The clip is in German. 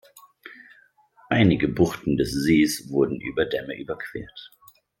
Einige Buchten des Sees wurden über Dämme überquert.